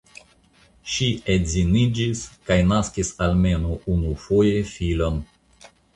Ŝi edziniĝis kaj naskis almenaŭ unufoje filon.